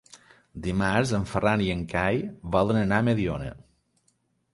Dimarts en Ferran i en Cai volen anar a Mediona.